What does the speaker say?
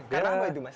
karena apa itu mas